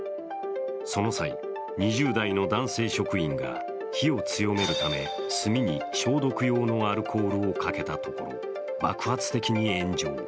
その際、２０代の男性職員が火を強めるため炭に消毒用のアルコールをかけたところ、爆発的に炎上。